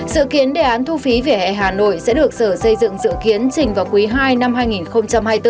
sự kiến đề án thu phí vỉa hè hà nội sẽ được sở xây dựng dự kiến trình vào quý ii năm hai nghìn hai mươi bốn